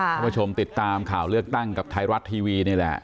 คุณผู้ชมติดตามข่าวเลือกตั้งกับไทยรัฐทีวีนี่แหละ